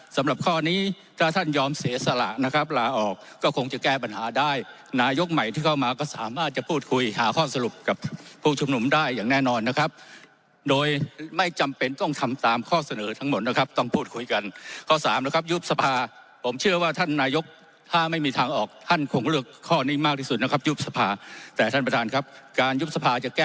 สำหรับข้อนี้ถ้าท่านยอมเสียสละนะครับลาออกก็คงจะแก้ปัญหาได้นายกใหม่ที่เข้ามาก็สามารถจะพูดคุยหาข้อสรุปกับผู้ชุมนุมได้อย่างแน่นอนนะครับโดยไม่จำเป็นต้องทำตามข้อเสนอทั้งหมดนะครับต้องพูดคุยกันข้อสามนะครับยุบสภาผมเชื่อว่าท่านนายกถ้าไม่มีทางออกท่านคงเลือกข้อนี้มากที่สุดนะครับยุบสภาแต่ท่านประธานครับการยุบสภาจะแก้